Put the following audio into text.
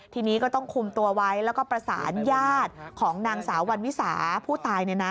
ทีนี้ก็ต้องคุมตัวไว้แล้วก็ประสานญาติของนางสาววันวิสาผู้ตาย